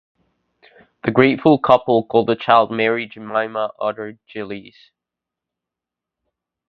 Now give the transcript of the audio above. The grateful couple called the child Mary Jemima Otter Gillies.